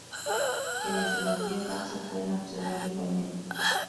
Que desde la Tierra, se pueden observar igualmente.